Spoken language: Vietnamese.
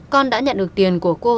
con đã nhận được tiền của cô